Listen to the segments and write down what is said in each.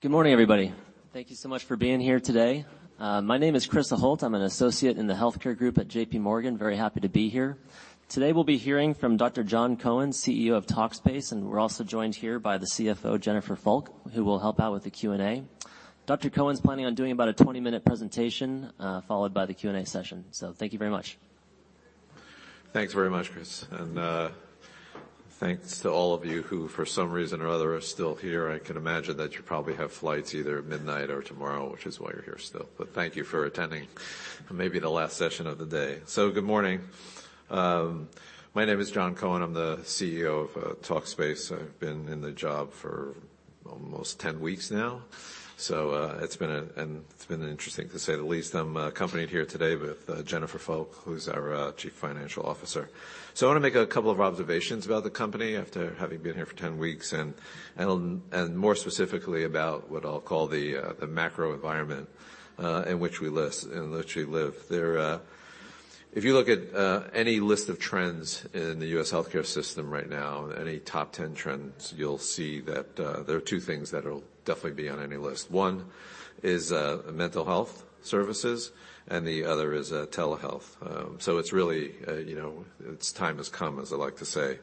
Good morning, everybody. Thank you so much for being here today. My name is Chris DeHolt. I'm an associate in the healthcare group at JPMorgan. Very happy to be here. Today, we'll be hearing from Dr. Jon Cohen, CEO of Talkspace, and we're also joined here by the CFO, Jennifer Fulk, who will help out with the Q&A. Dr. Cohen's planning on doing about a 20-minute presentation, followed by the Q&A session. Thank you very much. Thanks very much, Chris. Thanks to all of you who for some reason or other are still here. I can imagine that you probably have flights either at midnight or tomorrow, which is why you're here still. Thank you for attending maybe the last session of the day. Good morning. My name is Jon Cohen. I'm the CEO of Talkspace. I've been in the job for almost 10 weeks now. It's been interesting to say the least. I'm accompanied here today with Jennifer Fulk, who's our Chief Financial Officer. I wanna make a couple of observations about the company after having been here for 10 weeks and more specifically about what I'll call the macro environment in which we live. There. If you look at any list of trends in the U.S. healthcare system right now, any top 10 trends, you'll see that there are two things that'll definitely be on any list. One is mental health services, the other is telehealth. It's really, you know, it's time has come, as I like to say.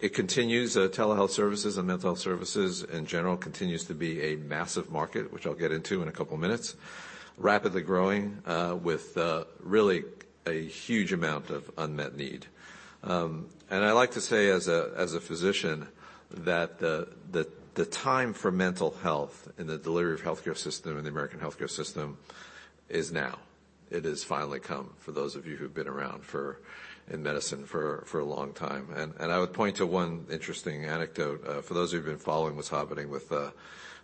It continues, telehealth services and mental health services in general continues to be a massive market, which I'll get into in a couple of minutes. Rapidly growing, with really a huge amount of unmet need. I like to say as a physician that the time for mental health in the delivery of healthcare system, in the American healthcare system is now. It has finally come for those of you who've been around for, in medicine for a long time. I would point to one interesting anecdote for those who've been following what's happening with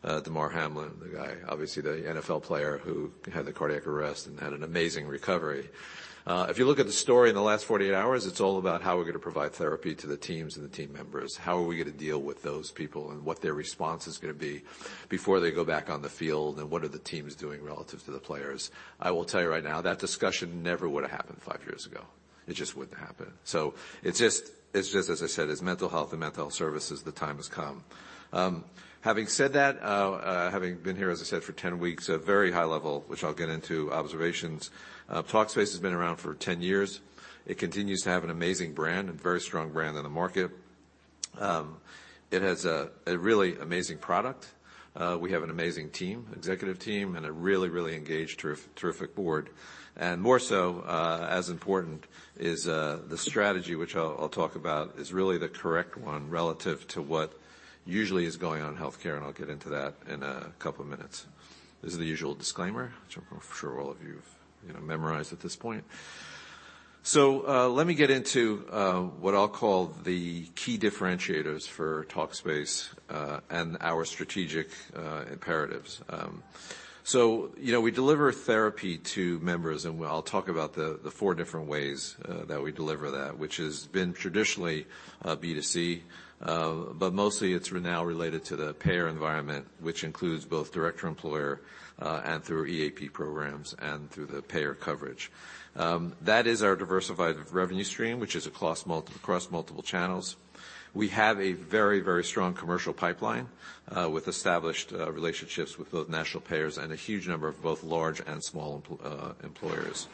Damar Hamlin, the guy, obviously the NFL player who had the cardiac arrest and had an amazing recovery. If you look at the story in the last 48 hours, it's all about how we're gonna provide therapy to the teams and the team members. How are we gonna deal with those people, and what their response is gonna be before they go back on the field, and what are the teams doing relative to the players? I will tell you right now, that discussion never would've happened five years ago. It just wouldn't happen. It's just as I said, it's mental health and mental health services, the time has come. Having said that, having been here, as I said, for 10 weeks, a very high level, which I'll get into observations. Talkspace has been around for 10 years. It continues to have an amazing brand and very strong brand in the market. It has a really amazing product. We have an amazing team, executive team, and a really engaged terrific board. More so, as important is the strategy which I'll talk about, is really the correct one relative to what usually is going on in healthcare, and I'll get into that in a couple of minutes. This is the usual disclaimer, which I'm sure all of you have, you know, memorized at this point. Let me get into what I'll call the key differentiators for Talkspace and our strategic imperatives. You know, we deliver therapy to members, and I'll talk about the four different ways that we deliver that, which has been traditionally B2C, but mostly it's now related to the payer environment, which includes both direct employer and through EAP programs and through the payer coverage. That is our diversified revenue stream, which is across multiple channels. We have a very, very strong commercial pipeline with established relationships with both national payers and a huge number of both large and small employers.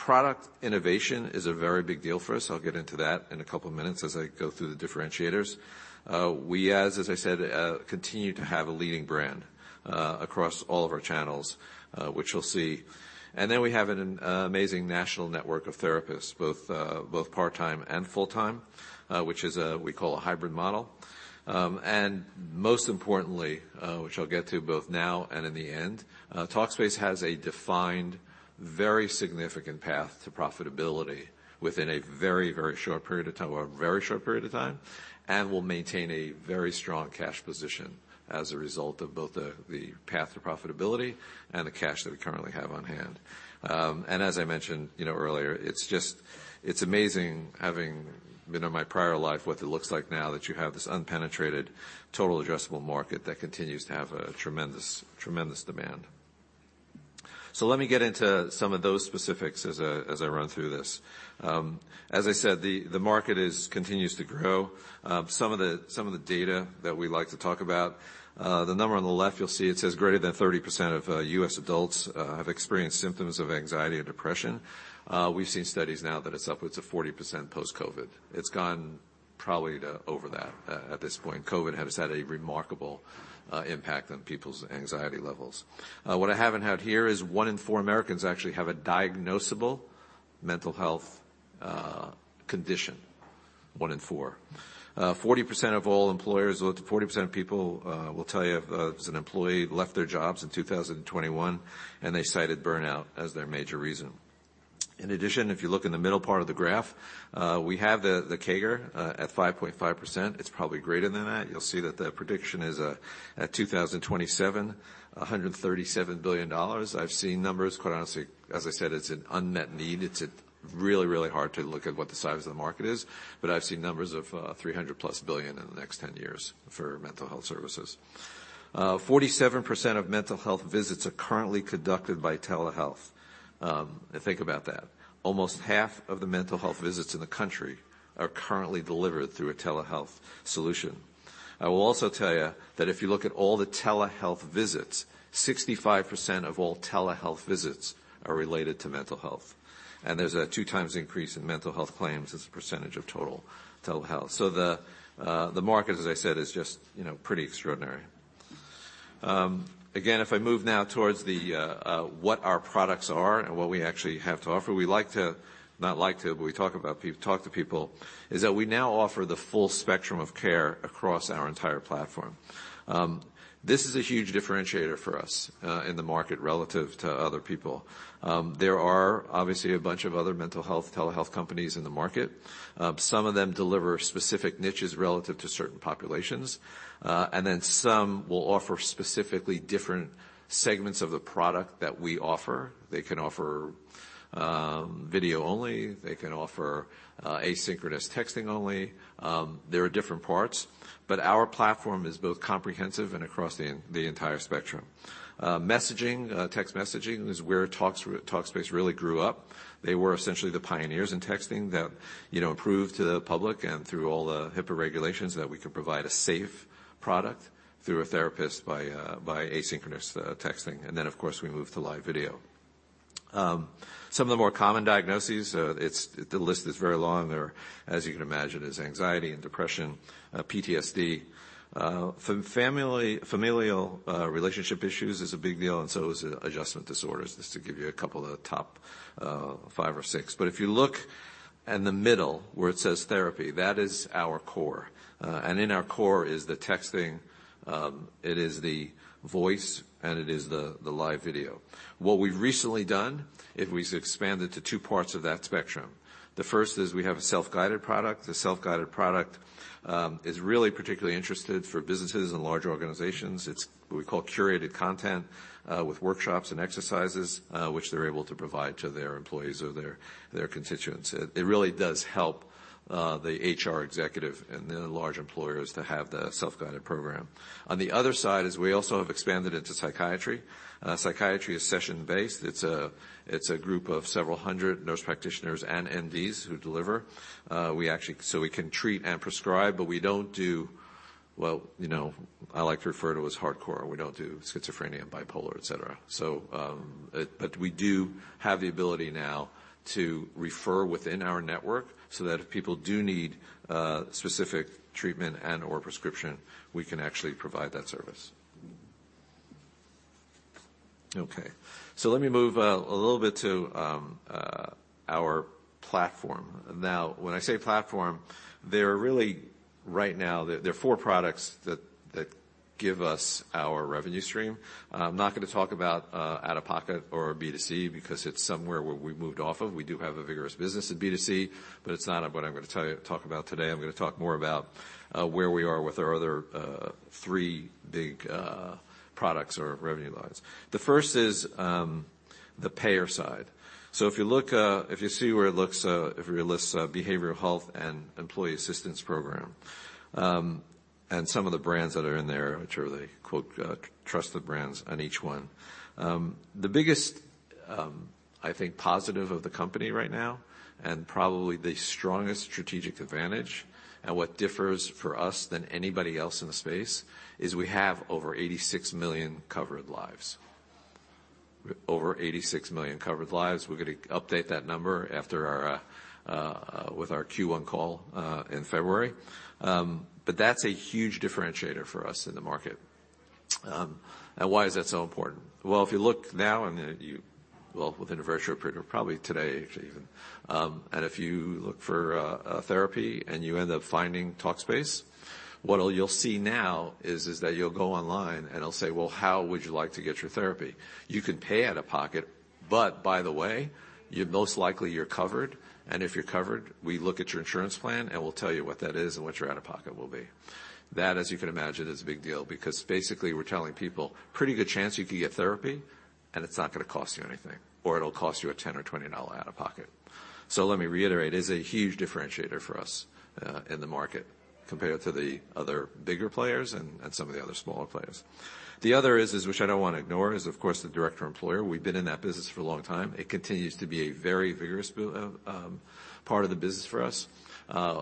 Product innovation is a very big deal for us. I'll get into that in a couple of minutes as I go through the differentiators. We as I said, continue to have a leading brand across all of our channels, which you'll see. Then we have an amazing national network of therapists, both part-time and full-time, which is we call a hybrid model. Most importantly, which I'll get to both now and in the end, Talkspace has a defined, very significant path to profitability within a very short period of time, and will maintain a very strong cash position as a result of both the path to profitability and the cash that we currently have on hand. As I mentioned, you know, earlier, it's just, it's amazing having been in my prior life, what it looks like now that you have this unpenetrated total addressable market that continues to have a tremendous demand. Let me get into some of those specifics as I run through this. As I said, the market continues to grow. Some of the data that we like to talk about, the number on the left, you'll see it says greater than 30% of U.S. adults have experienced symptoms of anxiety and depression. We've seen studies now that it's upwards of 40% post-COVID. It's gone probably to over that at this point. COVID has had a remarkable impact on people's anxiety levels. What I haven't had here is one in four Americans actually have a diagnosable mental health condition, one in four. 40% of all employers or 40% of people will tell you if an employee left their jobs in 2021, and they cited burnout as their major reason. In addition, if you look in the middle part of the graph, we have the CAGR at 5.5%. It's probably greater than that. You'll see that the prediction is, at 2027, $137 billion. I've seen numbers, quite honestly, as I said, it's an unmet need. It's it really hard to look at what the size of the market is, I've seen numbers of $300 plus billion in the next 10 years for mental health services. 47% of mental health visits are currently conducted by telehealth. Think about that. Almost half of the mental health visits in the country are currently delivered through a telehealth solution. I will also tell you that if you look at all the telehealth visits, 65% of all telehealth visits are related to mental health. There's a two times increase in mental health claims as a percentage of total telehealth. The market, as I said, is just, you know, pretty extraordinary. Again, if I move now towards the what our products are and what we actually have to offer, we like to... Not like to, but we talk to people, is that we now offer the full spectrum of care across our entire platform. This is a huge differentiator for us in the market relative to other people. There are obviously a bunch of other mental health telehealth companies in the market. Some of them deliver specific niches relative to certain populations. Then some will offer specifically different segments of the product that we offer. They can offer video only. They can offer asynchronous texting only. There are different parts, but our platform is both comprehensive and across the entire spectrum. Messaging, text messaging is where Talkspace really grew up. They were essentially the pioneers in texting that, you know, approved to the public and through all the HIPAA regulations that we could provide a safe product through a therapist by asynchronous texting. Of course, we moved to live video. Some of the more common diagnoses, the list is very long. There are, as you can imagine, is anxiety and depression, PTSD. Familial relationship issues is a big deal, and so is adjustment disorders. Just to give you a couple of the top five or six. If you look in the middle where it says therapy, that is our core. In our core is the texting, it is the voice, and it is the live video. What we've recently done is we've expanded to two parts of that spectrum. The first is we have a self-guided product. The self-guided product is really particularly interested for businesses and large organizations. It's what we call curated content, with workshops and exercises, which they're able to provide to their employees or their constituents. It really does help the HR executive and the large employers to have the self-guided program. On the other side is we also have expanded into psychiatry. Psychiatry is session-based. It's a group of several hundred nurse practitioners and MDs who deliver. We can treat and prescribe, but we don't do, well, you know, I like to refer to as hardcore. We don't do schizophrenia, bipolar, et cetera. But we do have the ability now to refer within our network so that if people do need specific treatment and/or prescription, we can actually provide that service. Okay. Let me move a little bit to our platform. Now, when I say platform, right now there are four products that give us our revenue stream. I'm not gonna talk about out-of-pocket or B2C because it's somewhere where we've moved off of. We do have a vigorous business in B2C, but it's not what I'm gonna talk about today. I'm gonna talk more about where we are with our other three big products or revenue lines. The first is the payer side. If you look, if you see where it looks, if it lists behavioral health and employee assistance program, and some of the brands that are in there, which are the, quote, "trusted brands" on each one. The biggest, I think, positive of the company right now and probably the strongest strategic advantage and what differs for us than anybody else in the space is we have over 86 million covered lives. Over 86 million covered lives. We're going to update that number after our with our Q1 call in February. But that's a huge differentiator for us in the market. Why is that so important? Well, if you look now and you... Well, within a virtual period or probably today even, if you look for a therapy and you end up finding Talkspace, what you'll see now is that you'll go online. It'll say, "Well, how would you like to get your therapy? You could pay out of pocket. By the way, you're most likely covered. If you're covered, we look at your insurance plan, and we'll tell you what that is and what your out-of-pocket will be. That, as you can imagine, is a big deal because basically, we're telling people, "Pretty good chance you could get therapy, and it's not gonna cost you anything, or it'll cost you a $10 or $20 out of pocket." Let me reiterate, it's a huge differentiator for us in the market compared to the other bigger players and some of the other smaller players. The other is which I don't wanna ignore is, of course, the direct to employer. We've been in that business for a long time. It continues to be a very vigorous part of the business for us.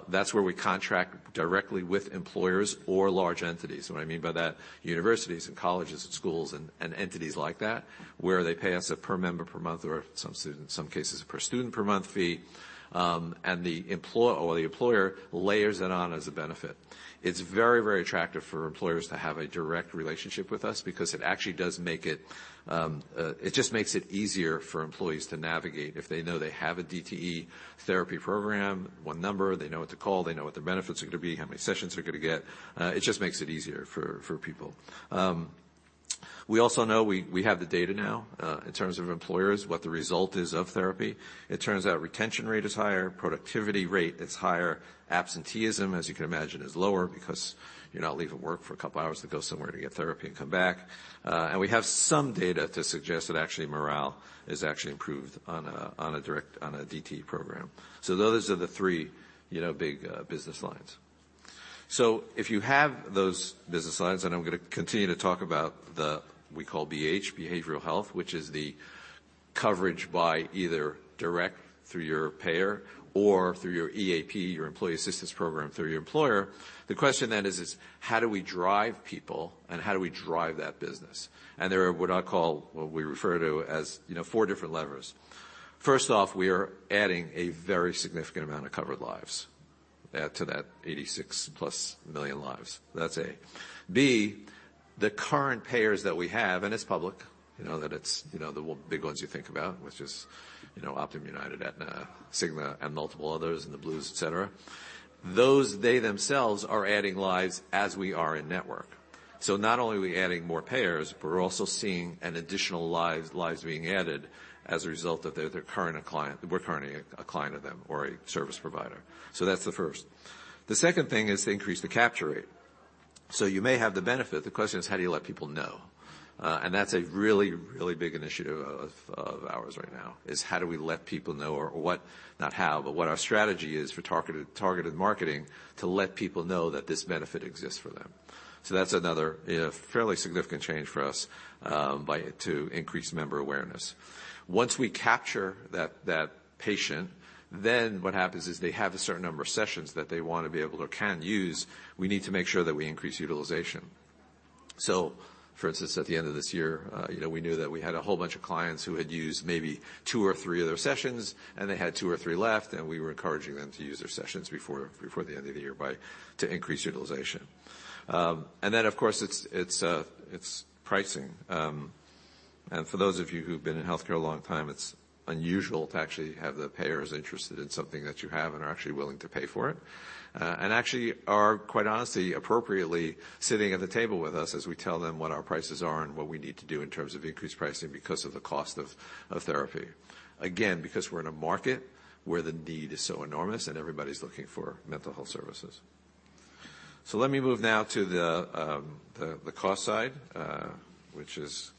That's where we contract directly with employers or large entities. What I mean by that, universities and colleges and schools and entities like that, where they pay us a per member per month or some cases a per student per month fee. The employer layers it on as a benefit. It's very attractive for employers to have a direct relationship with us because it actually does make it just makes it easier for employees to navigate. If they know they have a DTE therapy program, one number, they know what to call, they know what their benefits are gonna be, how many sessions they're gonna get. It just makes it easier for people. We also know we have the data now, in terms of employers, what the result is of therapy. It turns out retention rate is higher, productivity rate is higher. Absenteeism, as you can imagine, is lower because you're not leaving work for a couple hours to go somewhere to get therapy and come back. We have some data to suggest that actually morale is actually improved on a direct, on a DTE program. Those are the three, you know, big business lines. If you have those business lines, I'm gonna continue to talk about the, we call BH, behavioral health, which is the coverage by either direct through your payer or through your EAP, your employee assistance program through your employer. The question is how do we drive people, how do we drive that business? There are what we refer to as, you know, four different levers. First off, we are adding a very significant amount of covered lives to that 86 plus million lives. That's A. B, the current payers that we have, it's public that it's the big ones you think about, which is Optum, United, Aetna, Cigna, and multiple others, and the Blues, et cetera. Those they themselves are adding lives as we are in-network. Not only are we adding more payers, but we're also seeing an additional lives being added as a result of their current client. We're currently a client of them or a service provider. That's the first. The second thing is to increase the capture rate. You may have the benefit. The question is how do you let people know? That's a really, really big initiative of ours right now, is how do we let people know. Not how, but what our strategy is for targeted marketing to let people know that this benefit exists for them. That's another, you know, fairly significant change for us to increase member awareness. Once we capture that patient, what happens is they have a certain number of sessions that they wanna be able to or can use. We need to make sure that we increase utilization. For instance, at the end of this year, you know, we knew that we had a whole bunch of clients who had used maybe two or three of their sessions, and they had two or three left, and we were encouraging them to use their sessions before the end of the year to increase utilization. Then of course, it's pricing. For those of you who've been in healthcare a long time, it's unusual to actually have the payers interested in something that you have and are actually willing to pay for it. Actually are, quite honestly, appropriately sitting at the table with us as we tell them what our prices are and what we need to do in terms of increased pricing because of the cost of therapy. Because we're in a market where the need is so enormous and everybody's looking for mental health services. Let me move now to the cost side, which is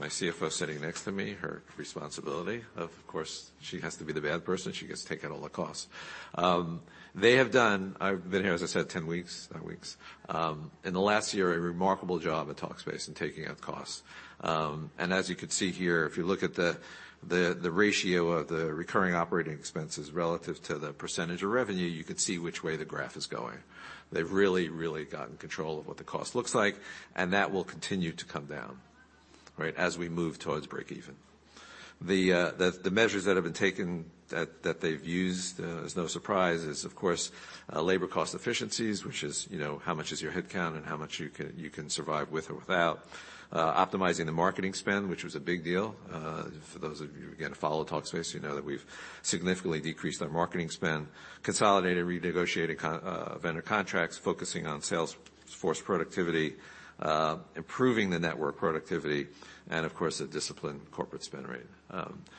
my CFO sitting next to me, her responsibility of course, she has to be the bad person. She gets to take out all the costs. I've been here, as I said, 10 weeks. In the last year, a remarkable job at Talkspace in taking out costs. As you can see here, if you look at the ratio of the recurring operating expenses relative to the % of revenue, you could see which way the graph is going. They've really gotten control of what the cost looks like, that will continue to come down, right? As we move towards breakeven. The measures that have been taken that they've used as no surprise is, of course, labor cost efficiencies, which is, you know, how much is your headcount and how much you can survive with or without. Optimizing the marketing spend, which was a big deal. For those of you, again, who follow Talkspace, you know that we've significantly decreased our marketing spend. Consolidated, renegotiated vendor contracts, focusing on sales force productivity, improving the network productivity, and of course, a disciplined corporate spend rate.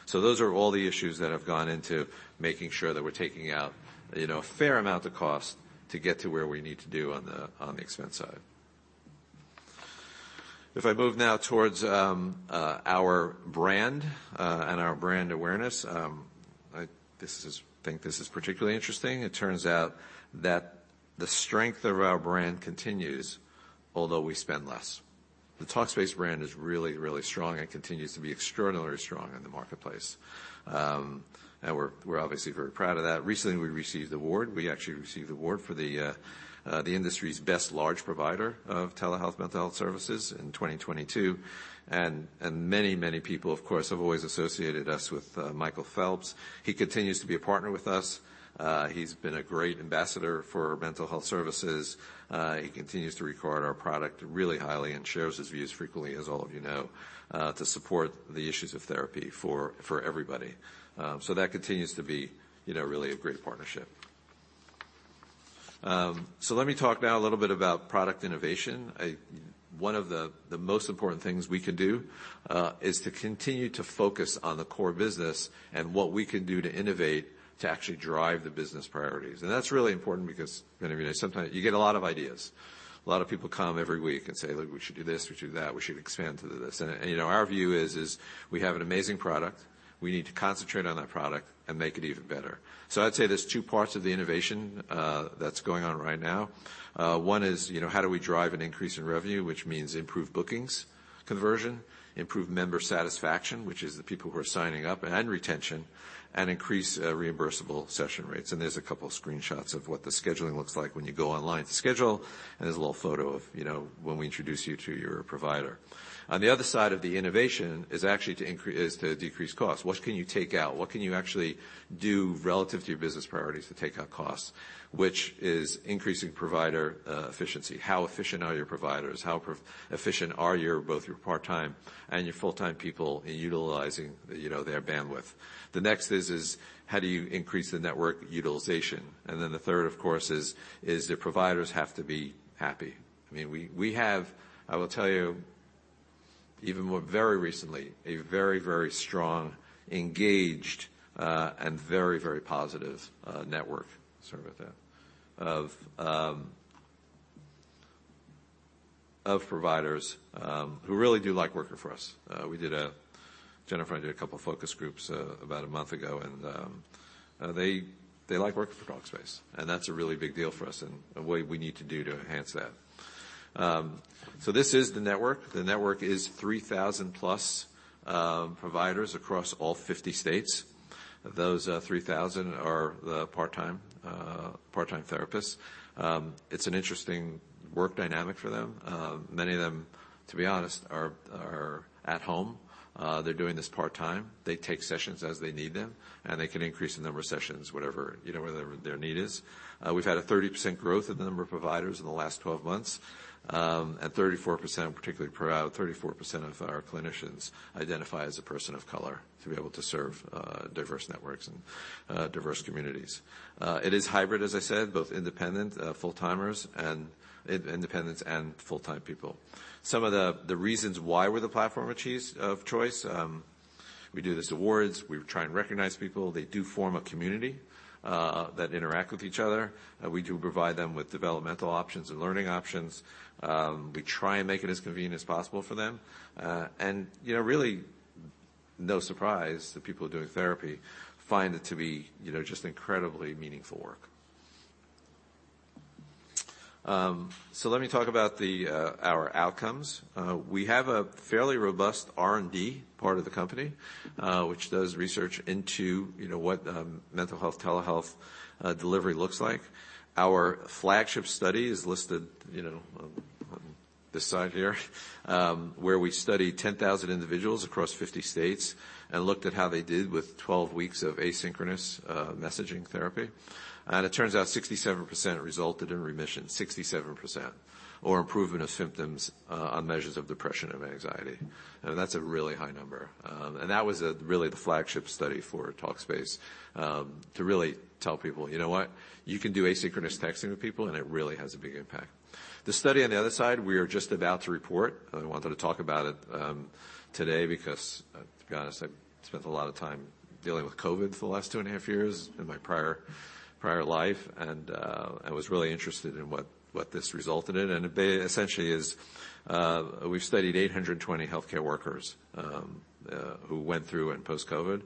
Those are all the issues that have gone into making sure that we're taking out, you know, a fair amount of cost to get to where we need to do on the expense side. If I move now towards our brand and our brand awareness, think this is particularly interesting. It turns out that the strength of our brand continues, although we spend less. The Talkspace brand is really strong and continues to be extraordinarily strong in the marketplace. We're obviously very proud of that. Recently, we received award. We actually received the award for the industry's best large provider of telehealth mental health services in 2022. Many people, of course, have always associated us with Michael Phelps. He continues to be a partner with us. He's been a great ambassador for mental health services. He continues to regard our product really highly and shares his views frequently, as all of you know, to support the issues of therapy for everybody. That continues to be, you know, really a great partnership. Let me talk now a little bit about product innovation. One of the most important things we can do, is to continue to focus on the core business and what we can do to innovate to actually drive the business priorities. That's really important because, you know, sometimes you get a lot of ideas. A lot of people come every week and say, "Look, we should do this. We should do that. We should expand to this." You know, our view is, we have an amazing product. We need to concentrate on that product and make it even better. I'd say there's two parts of the innovation that's going on right now. One is, you know, how do we drive an increase in revenue, which means improve bookings conversion, improve member satisfaction, which is the people who are signing up, and retention, and increase reimbursable session rates. There's a couple screenshots of what the scheduling looks like when you go online to schedule, and there's a little photo of, you know, when we introduce you to your provider. On the other side of the innovation is actually to decrease cost. What can you take out? What can you actually do relative to your business priorities to take out costs, which is increasing provider efficiency. How efficient are your providers? How efficient are your, both your part-time and your full-time people in utilizing, you know, their bandwidth? The next is, how do you increase the network utilization? The third, of course, is the providers have to be happy. I mean, we have, I will tell you, even more, very recently, a very, very strong, engaged, and very, very positive network, sorry about that, of providers who really do like working for us. Jennifer and I did a couple of focus groups about a month ago, and they like working for Talkspace, and that's a really big deal for us and a way we need to do to enhance that. This is the network. The network is 3,000 plus providers across all 50 states. Those 3,000 are the part-time therapists. It's an interesting work dynamic for them. Many of them, to be honest, are at home. They're doing this part-time. They take sessions as they need them, and they can increase the number of sessions, whatever, you know, whatever their need is. We've had a 30% growth in the number of providers in the last 12 months, and 34%, particularly proud, 34% of our clinicians identify as a person of color to be able to serve diverse networks and diverse communities. It is hybrid, as I said, both independent, full-timers and independents and full-time people. Some of the reasons why we're the platform of choice, we do these awards, we try and recognize people. They do form a community that interact with each other. We do provide them with developmental options and learning options. We try and make it as convenient as possible for them. You know, really no surprise that people doing therapy find it to be, you know, just incredibly meaningful work. Let me talk about the, our outcomes. We have a fairly robust R&D part of the company, which does research into, you know, what, mental health, telehealth, delivery looks like. Our flagship study is listed, you know, on this side here, where we studied 10,000 individuals across 50 states and looked at how they did with 12 weeks of asynchronous, messaging therapy. It turns out 67% resulted in remission, 67%, or improvement of symptoms, on measures of depression and anxiety. That's a really high number. That was really the flagship study for Talkspace to really tell people, "You know what? You can do asynchronous texting with people, it really has a big impact. The study on the other side, we are just about to report. I wanted to talk about it today because to be honest, I've spent a lot of time dealing with COVID for the last two and a half years in my prior life, I was really interested in what this resulted in. It essentially is, we've studied 820 healthcare workers who went through and post-COVID.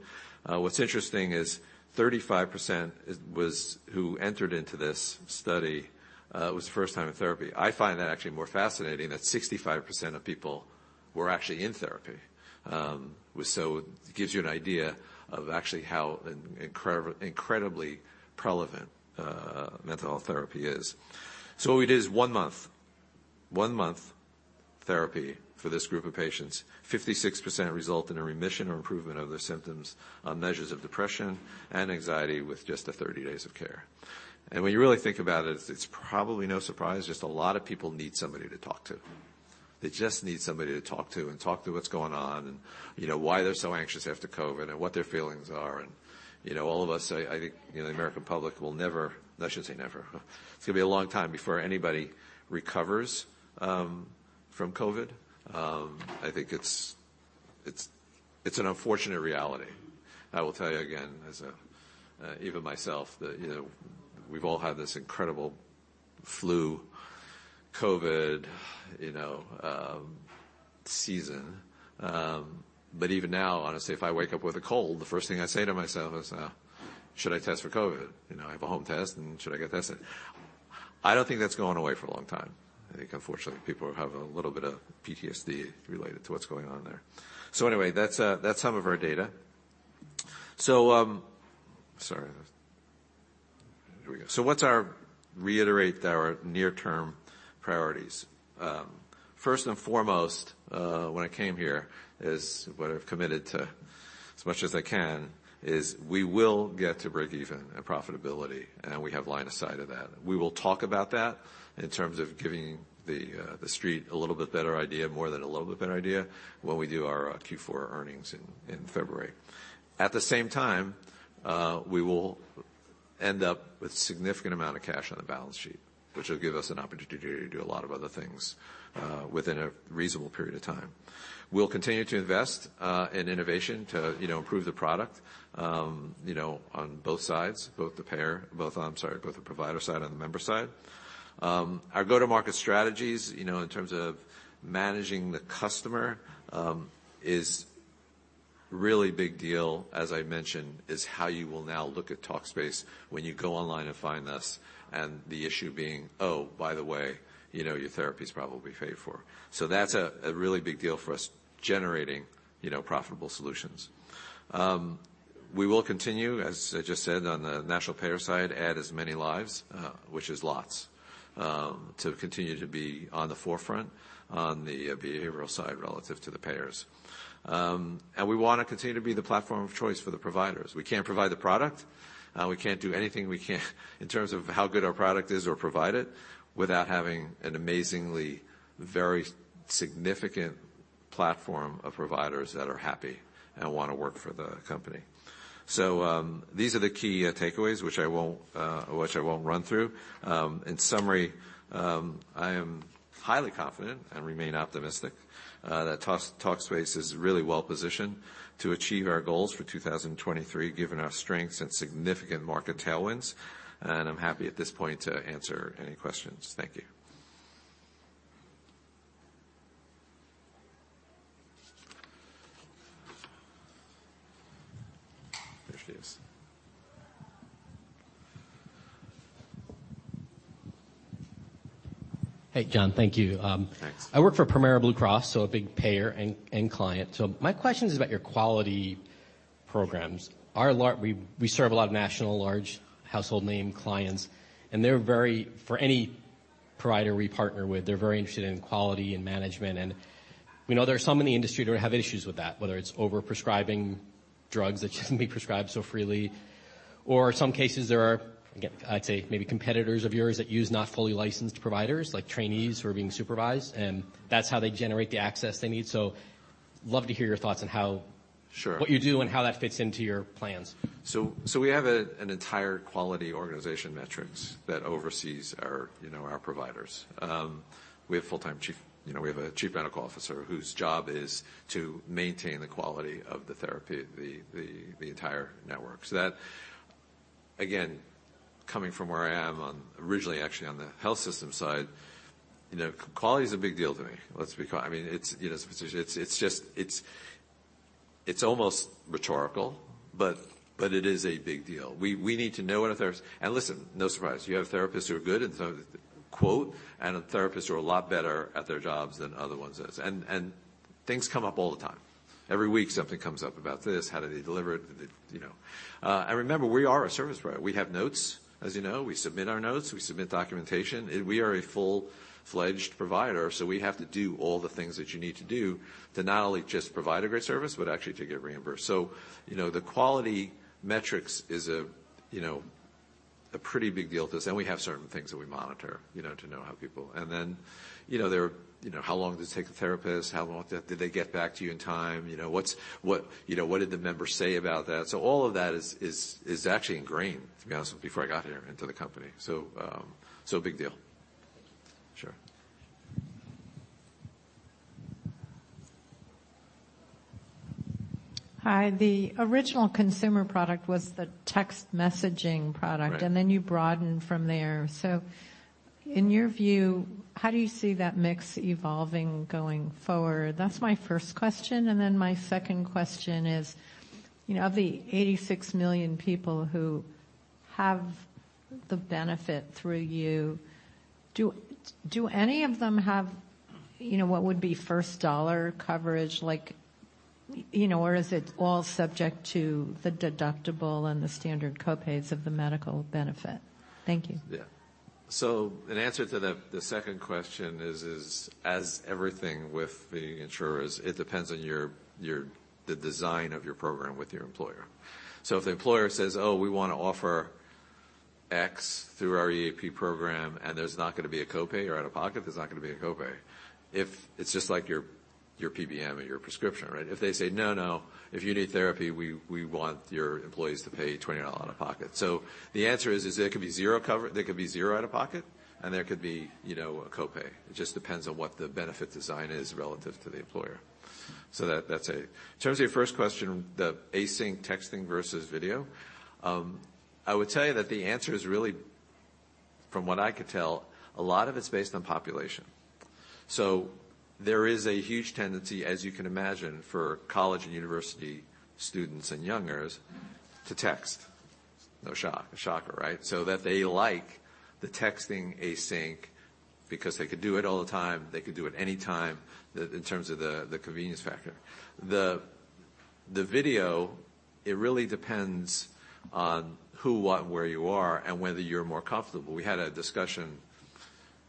What's interesting is 35% was who entered into this study, was first time in therapy. I find that actually more fascinating that 65% of people were actually in therapy. It gives you an idea of actually how incredibly relevant mental health therapy is. It is one month therapy for this group of patients. 56% result in a remission or improvement of their symptoms on measures of depression and anxiety with just the 30 days of care. When you really think about it's probably no surprise, just a lot of people need somebody to talk to. They just need somebody to talk to and talk through what's going on and, you know, why they're so anxious after COVID and what their feelings are. You know, all of us, I think, you know, the American public will never... I shouldn't say never. It's gonna be a long time before anybody recovers from COVID. I think it's an unfortunate reality. I will tell you again, even myself that, you know, we've all had this incredible flu, COVID, you know, season. Even now, honestly, if I wake up with a cold, the first thing I say to myself is, "Should I test for COVID?" You know, I have a home test, and should I get tested? I don't think that's going away for a long time. I think unfortunately, people have a little bit of PTSD related to what's going on there. Anyway, that's some of our data. Sorry. Here we go. reiterate our near-term priorities. First and foremost, when I came here is what I've committed to as much as I can, is we will get to break even and profitability, and we have line of sight of that. We will talk about that in terms of giving the street a little bit better idea, more than a little bit better idea, when we do our Q4 earnings in February. At the same time, we will end up with significant amount of cash on the balance sheet, which will give us an opportunity to do a lot of other things within a reasonable period of time. We'll continue to invest in innovation to, you know, improve the product, you know, on both sides, both the payer, I'm sorry, both the provider side and the member side. Our go-to-market strategies, you know, in terms of managing the customer, is really big deal, as I mentioned, is how you will now look at Talkspace when you go online and find us, and the issue being, "Oh, by the way, you know, your therapy is probably paid for." That's a really big deal for us generating, you know, profitable solutions. We will continue, as I just said, on the national payer side, add as many lives, which is lots, to continue to be on the forefront on the behavioral side relative to the payers. We wanna continue to be the platform of choice for the providers. We can't provide the product. We can't do anything in terms of how good our product is or provide it without having an amazingly very significant platform of providers that are happy and wanna work for the company. These are the key takeaways, which I won't run through. In summary, I am highly confident and remain optimistic that Talkspace is really well positioned to achieve our goals for 2023, given our strengths and significant market tailwinds, and I'm happy at this point to answer any questions. Thank you. There she is. Hey, Jon. Thank you. Thanks. I work for Premera Blue Cross, so a big payer and client. My question is about your quality programs. We serve a lot of national large household name clients, and they're very. For any provider we partner with, they're very interested in quality and management. We know there are some in the industry who have issues with that, whether it's over-prescribing drugs that shouldn't be prescribed so freely, or some cases there are, again, I'd say maybe competitors of yours that use not fully licensed providers, like trainees who are being supervised, and that's how they generate the access they need. Love to hear your thoughts on how. Sure. What you do and how that fits into your plans. We have an entire quality organization metrics that oversees our, you know, our providers. We have full-time, you know, we have a chief medical officer whose job is to maintain the quality of the therapy, the entire network. Again, coming from where I am on originally actually on the health system side, you know, quality is a big deal to me. Let's be, I mean, it's, you know, it's just, it's almost rhetorical, but it is a big deal. We need to know what a therapist... Listen, no surprise, you have therapists who are good, and some quote, "And therapists who are a lot better at their jobs than other ones is." Things come up all the time. Every week, something comes up about this. How do they deliver it? Did it, you know? Remember, we are a service provider. We have notes, as you know. We submit our notes. We submit documentation. We are a full-fledged provider, so we have to do all the things that you need to do to not only just provide a great service, but actually to get reimbursed. You know, the quality metrics is a, you know, a pretty big deal to us, and we have certain things that we monitor, you know, to know how people. Then, you know, there, you know, how long does it take the therapist? How long did they get back to you in time? You know, what's, what, you know, what did the members say about that? All of that is actually ingrained, to be honest, before I got here into the company. Big deal. Thank you. Sure. Hi. The original consumer product was the text messaging product. Right. You broadened from there. In your view, how do you see that mix evolving going forward? That's my first question. My second question is, you know, of the 86 million people who have the benefit through you, do any of them have, you know, what would be first dollar coverage? Like, you know, or is it all subject to the deductible and the standard copays of the medical benefit? Thank you. Yeah. An answer to the second question is as everything with the insurers, it depends on your, the design of your program with your employer. If the employer says, "Oh, we wanna offer X through our EAP program, and there's not gonna be a copay or out-of-pocket," there's not gonna be a copay. If it's just like your PBM or your prescription, right? If they say, "No, no, if you need therapy, we want your employees to pay $20 out of pocket." The answer is there could be zero out-of-pocket, and there could be, you know, a copay. It just depends on what the benefit design is relative to the employer. That, that's a... In terms of your first question, the async texting versus video, I would tell you that the answer is really, from what I could tell, a lot of it's based on population. There is a huge tendency, as you can imagine, for college and university students and youngers to text. No shocker, right? They like the texting async because they could do it all the time. They could do it any time in terms of the convenience factor. The video, it really depends on who, what, and where you are and whether you're more comfortable. We had a discussion.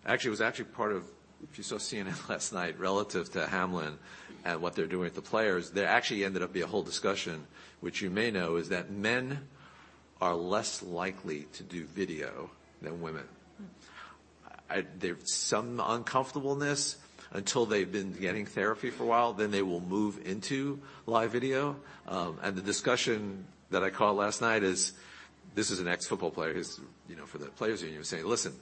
Actually, it was actually part of, if you saw CNN last night relative to Hamlin and what they're doing with the players, there actually ended up being a whole discussion, which you may know, is that men are less likely to do video than women. Mm. There's some uncomfortableness until they've been getting therapy for a while, then they will move into live video. The discussion that I caught last night is this is an ex-football player who's, you know, for the players' union saying, "Listen,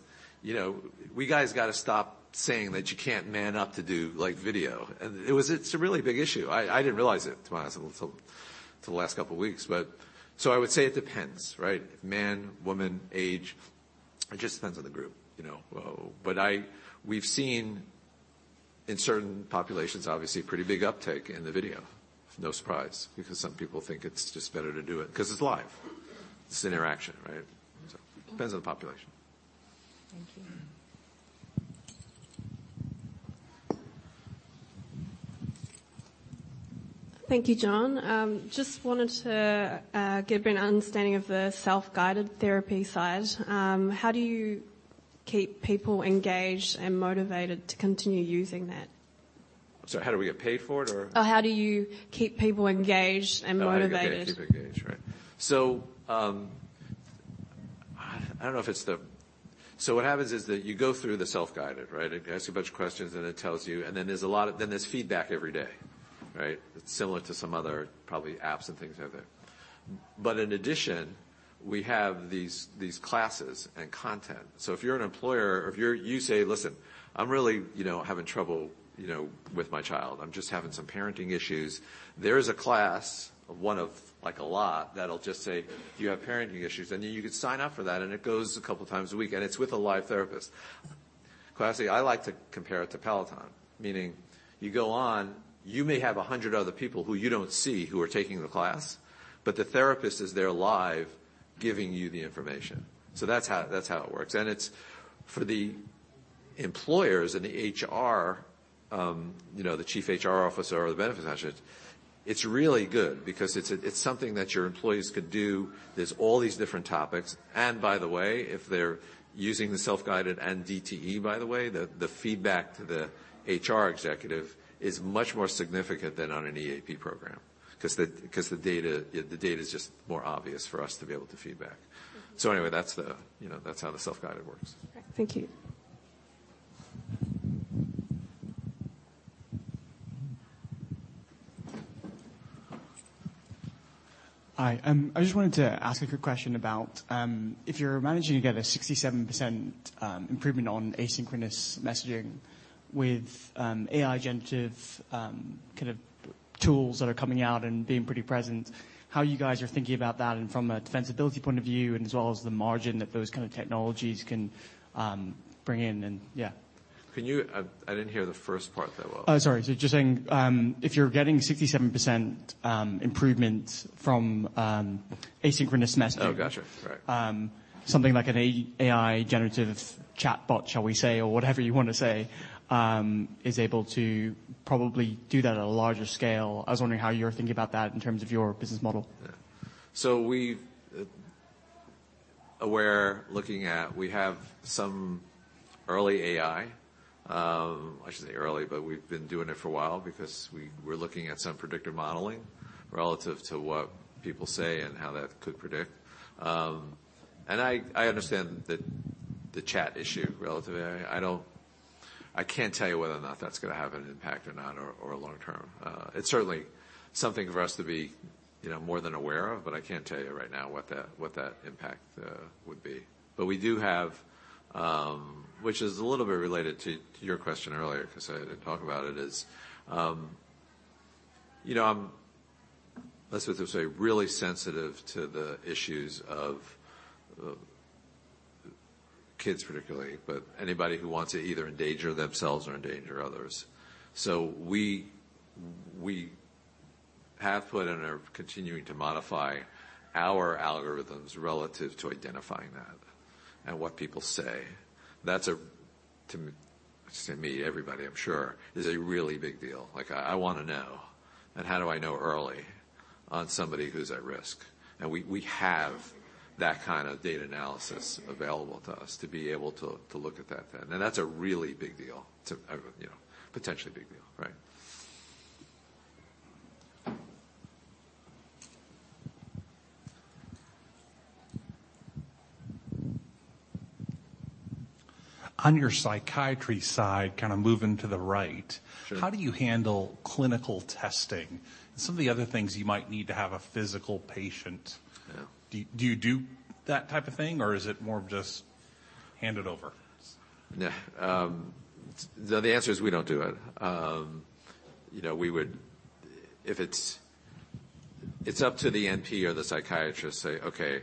you know, we guys gotta stop saying that you can't man up to do, like, video." It was. It's a really big issue. I didn't realize it to be honest until the last couple weeks. I would say it depends, right? Man, woman, age, it just depends on the group, you know? We've seen in certain populations, obviously pretty big uptake in the video. No surprise, because some people think it's just better to do it 'cause it's live. It's interaction, right? Depends on the population. Thank you. Thank you, Jon. Just wanted to get a better understanding of the self-guided therapy side. How do you keep people engaged and motivated to continue using that? Sorry, how do we get paid for it or? Oh, how do you keep people engaged and motivated? How do you keep engaged, right? I don't know if it's what happens is that you go through the self-guided, right. It asks you a bunch of questions, and it tells you, and there's feedback every day, right. It's similar to some other probably apps and things out there. In addition, we have these classes and content. If you're an employer or if you say, "Listen, I'm really, you know, having trouble, you know, with my child. I'm just having some parenting issues." There is a class, one of like a lot, that'll just say, "You have parenting issues," and then you could sign up for that, and it goes a couple times a week, and it's with a live therapist. Classically, I like to compare it to Peloton. Meaning you go on, you may have 100 other people who you don't see who are taking the class, but the therapist is there live giving you the information. That's how it works. It's for the employers and the HR, you know, the chief HR officer or the benefits agent, it's really good because it's something that your employees could do. There's all these different topics, by the way, if they're using the self-guided and DTE, by the way, the feedback to the HR executive is much more significant than on an EAP program 'cause the data is just more obvious for us to be able to feedback. Mm-hmm. That's the, you know, that's how the self-guided works. Thank you. Hi. I just wanted to ask a quick question about if you're managing to get a 67% improvement on asynchronous messaging with AI generative kind of tools that are coming out and being pretty present, how you guys are thinking about that and from a defensibility point of view and as well as the margin that those kind of technologies can bring in and, yeah. Can you... I didn't hear the first part that well. Oh, sorry. Just saying, if you're getting 67% improvement from asynchronous messaging... Oh, gotcha. Right. something like an AI generative chatbot, shall we say, or whatever you wanna say, is able to probably do that at a larger scale. I was wondering how you're thinking about that in terms of your business model? Aware, looking at, we have some early AI. I shouldn't say early, but we've been doing it for a while because we're looking at some predictive modeling relative to what people say and how that could predict. I understand the chat issue relative to AI. I can't tell you whether or not that's gonna have an impact or not or long-term. It's certainly something for us to be, you know, more than aware of, but I can't tell you right now what that impact would be. We do have. Which is a little bit related to your question earlier, 'cause I didn't talk about it, is, you know, I'm, let's just say, really sensitive to the issues of kids particularly, but anybody who wants to either endanger themselves or endanger others. We have put in and are continuing to modify our algorithms relative to identifying that and what people say. To me, everybody, I'm sure, is a really big deal. Like, I wanna know, and how do I know early on somebody who's at risk? We have that kind of data analysis available to us to be able to look at that then. That's a really big deal to everybody, you know, potentially a big deal, right? On your psychiatry side, kinda moving to the right. Sure. How do you handle clinical testing? Some of the other things you might need to have a physical patient. Yeah. Do you do that type of thing, or is it more of just hand it over? Nah. The answer is we don't do it. You know, it's up to the NP or the psychiatrist to say, "Okay,"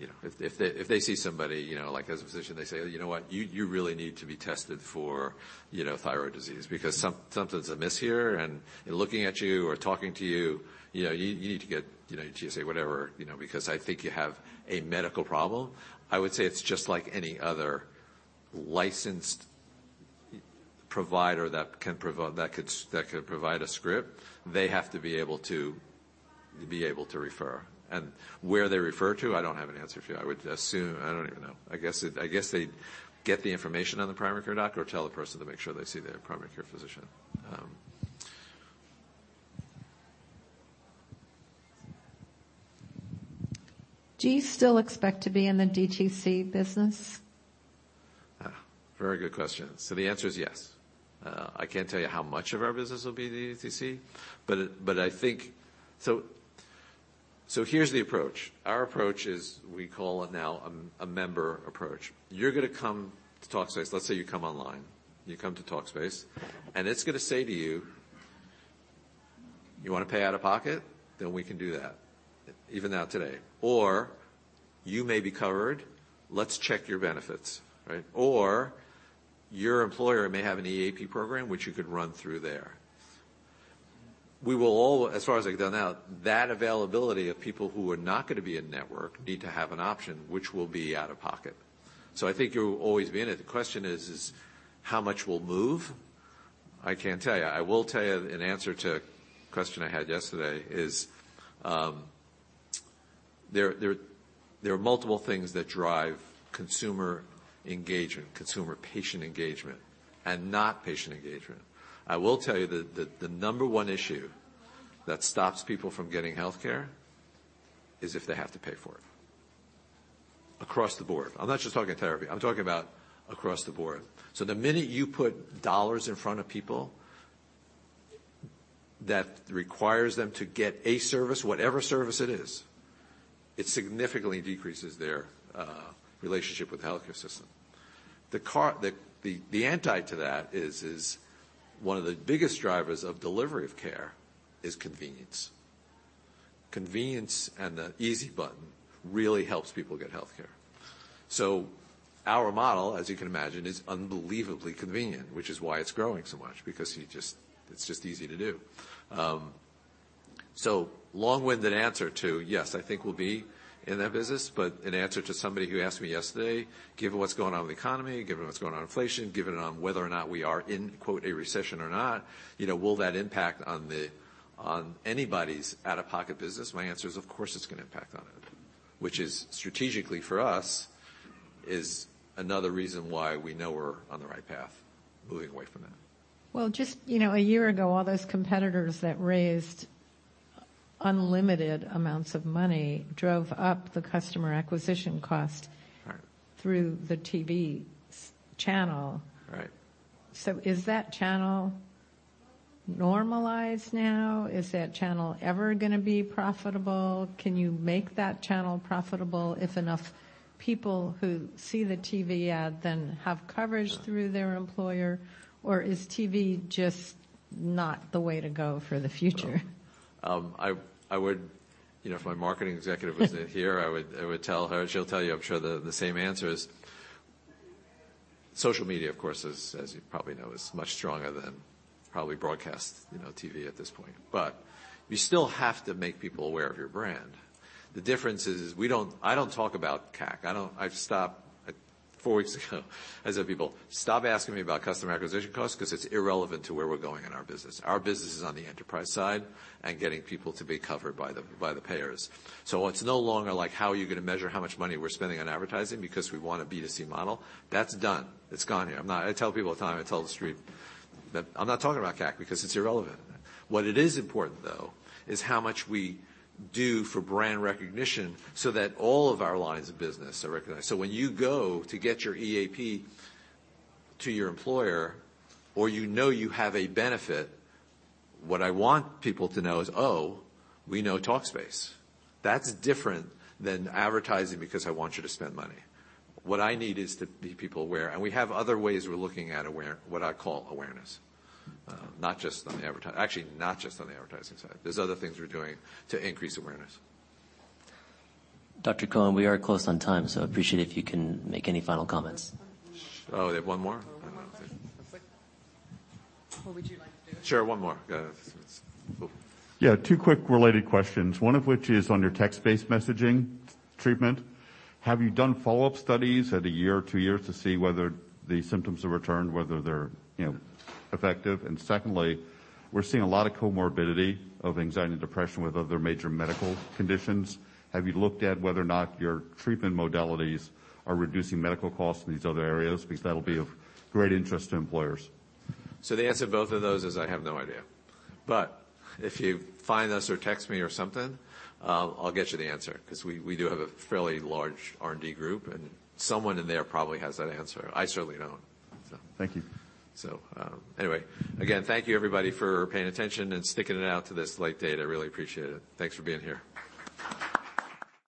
you know, if they see somebody, you know, like, as a physician, they say, "You know what? You really need to be tested for, you know, thyroid disease because something's amiss here, and in looking at you or talking to you know, you need to get, you know, TSA, whatever, you know, because I think you have a medical problem." I would say it's just like any other licensed provider that could provide a script. They have to be able to refer. Where they refer to, I don't have an answer for you. I don't even know. I guess they'd get the information on the primary care doc or tell the person to make sure they see their primary care physician. Do you still expect to be in the DTC business? Very good question. The answer is yes. I can't tell you how much of our business will be DTC, but I think... Here's the approach. Our approach is we call it now a member approach. You're gonna come to Talkspace. Let's say you come online, and you come to Talkspace, and it's gonna say to you, "You wanna pay out-of-pocket? We can do that even now today. You may be covered. Let's check your benefits." Right? "Your employer may have an EAP program which you could run through there." We will all, as far as I know now, that availability of people who are not gonna be in-network need to have an option which will be out-of-pocket. I think you'll always be in it. The question is how much will move? I can't tell you. I will tell you an answer to a question I had yesterday is, there are multiple things that drive consumer engagement, consumer patient engagement and not patient engagement. I will tell you the number one issue that stops people from getting healthcare is if they have to pay for it. Across the board. I'm not just talking therapy. I'm talking about across the board. The minute you put dollars in front of people that requires them to get a service, whatever service it is, it significantly decreases their relationship with the healthcare system. The anti to that is one of the biggest drivers of delivery of care is convenience and the easy button really helps people get healthcare. Our model, as you can imagine, is unbelievably convenient, which is why it's growing so much, because you just... It's just easy to do. Long-winded answer to, yes, I think we'll be in that business, in answer to somebody who asked me yesterday, given what's going on with the economy, given what's going on with inflation, given on whether or not we are in, quote, 'a recession' or not, you know, will that impact on anybody's out-of-pocket business? My answer is, of course, it's gonna impact on it. Strategically for us, is another reason why we know we're on the right path moving away from that. Well, just, you know, a year ago, all those competitors that raised unlimited amounts of money drove up the customer acquisition cost- Right. Through the TV channel. Right. Is that channel normalized now? Is that channel ever gonna be profitable? Can you make that channel profitable if enough people who see the TV ad then have coverage? Yeah. Through their employer? Is TV just not the way to go for the future? I would. You know, if my marketing executive was in here, I would tell her. She'll tell you, I'm sure the same answers. Social media, of course, as you probably know, is much stronger than probably broadcast, you know, TV at this point. You still have to make people aware of your brand. The difference is, I don't talk about CAC. I've stopped, like 4 weeks ago, I said, "People, stop asking me about customer acquisition costs 'cause it's irrelevant to where we're going in our business." Our business is on the enterprise side and getting people to be covered by the payers. It's no longer like, how are you gonna measure how much money we're spending on advertising because we want a B2C model? That's done. It's gone here. I'm not... I tell people all the time, I tell the street that I'm not talking about CAC because it's irrelevant. What it is important, though, is how much we do for brand recognition so that all of our lines of business are recognized. When you go to get your EAP to your employer, or you know you have a benefit, what I want people to know is, "Oh, we know Talkspace." That's different than advertising because I want you to spend money. What I need is to be people aware, and we have other ways we're looking at what I call awareness. Actually, not just on the advertising side. There's other things we're doing to increase awareness. Dr. Cohen, we are close on time, so I appreciate if you can make any final comments. Oh, they have one more? It's quick. What would you like to do? Sure, one more. Yeah, it's cool. Yeah, two quick related questions, one of which is on your text-based messaging treatment. Have you done follow-up studies at a year or two years to see whether the symptoms have returned, whether they're, you know, effective? Secondly, we're seeing a lot of comorbidity of anxiety and depression with other major medical conditions. Have you looked at whether or not your treatment modalities are reducing medical costs in these other areas? That'll be of great interest to employers. The answer to both of those is I have no idea. If you find us or text me or something, I'll get you the answer. We, we do have a fairly large R&D group, and someone in there probably has that answer. I certainly don't. Thank you. Anyway, again, thank you everybody for paying attention and sticking it out to this late date. I really appreciate it. Thanks for being here.